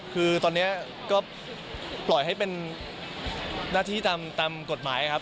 คือตอนนี้ก็ปล่อยให้เป็นหน้าที่ตามกฎหมายครับ